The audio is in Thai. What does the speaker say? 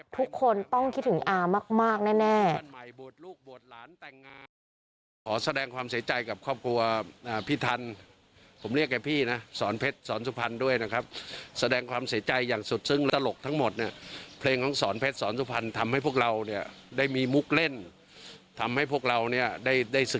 ทุกคนต้องคิดถึงอามากแน่